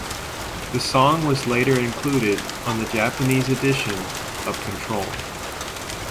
The song was later included on the Japanese edition of Control.